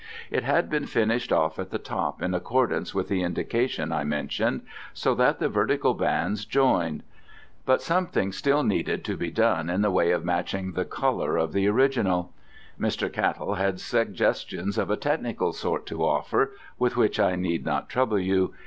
It had been finished off at the top in accordance with the indication I mentioned, so that the vertical bands joined. But something still needed to be done in the way of matching the colour of the original. Mr. Cattell had suggestions of a technical kind to offer, with which I need not trouble you.